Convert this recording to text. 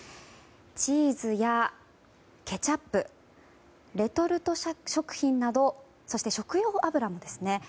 チーズやケチャップレトルト食品などそして食用油もですね。